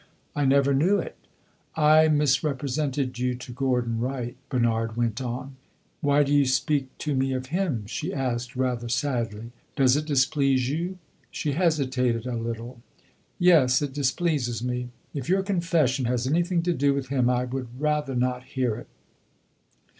"I never knew it." "I misrepresented you to Gordon Wright," Bernard went on. "Why do you speak to me of him?" she asked rather sadly. "Does it displease you?" She hesitated a little. "Yes, it displeases me. If your confession has anything to do with him, I would rather not hear it."